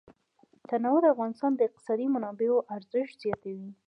تنوع د افغانستان د اقتصادي منابعو ارزښت زیاتوي.